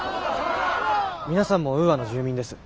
皆さんもウーアの住民です。